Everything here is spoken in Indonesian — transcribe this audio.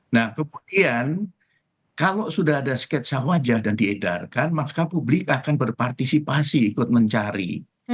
nah kemudian kalau sudah ada sketsa wajah dan diedarkan maka publik akan berpartisipasi ikut mencari